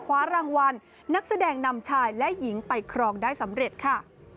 คว้ารางวัลนักแสดงนำชายและหญิงไปครองได้สำเร็จค่ะ